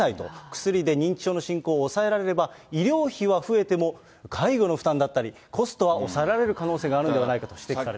薬で認知症の進行を抑えられれば、医療費は増えても介護の負担だったり、コストは抑えられる可能性があるんではないかと指摘されています。